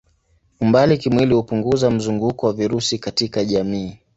Umbali kimwili hupunguza mzunguko wa virusi katika jamii.